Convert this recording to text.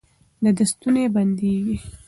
د ده ستونی بندېږي.